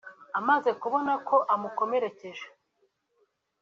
Amaze kubona ko amukomerekeje